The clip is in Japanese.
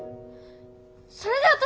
それで私